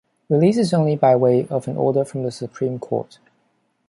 Release is only by way of an order from the Supreme Court.